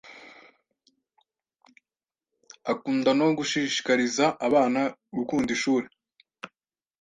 akunda no gushishikariza abana gukunda ishuri.